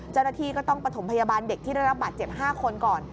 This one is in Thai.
เจ้าหน้าที่ก็ต้องประถมพยาบาลเด็กที่ได้รับบาดเจ็บ๕คนก่อน